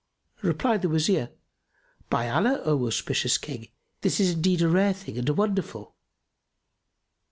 Replied the Wazir, "By Allah, O auspicious King, this is indeed a rare thing and a wonderful!"